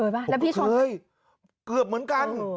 ผมก็เคยเกือบเหมือนกัน